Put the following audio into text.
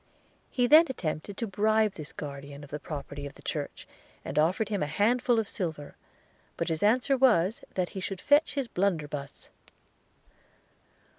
He then attempted to bribe this guardian of the property of the church, and offered him a handful of silver: but his answer was, that he should fetch his blunderbuss.